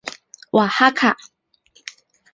瓦哈卡。